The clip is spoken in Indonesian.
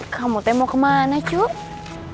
kamu tuh mau kemana cuy